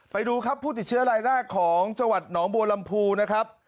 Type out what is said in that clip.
ไปดูครับผู้ติดเชื้อรายหน้าของจหนองบัวลำพูนะครับ